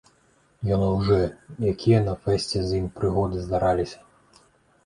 Ён ілжэ, якія на фэсце з ім прыгоды здараліся.